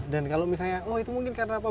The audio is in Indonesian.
kalau misalnya oh itu mungkin karena apa